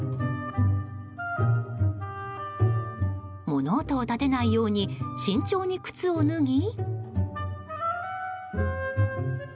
物音を立てないように慎重に靴を脱ぎ。